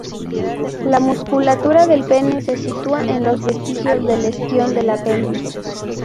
La musculatura del pene se sitúa en los vestigios del isquion de la pelvis.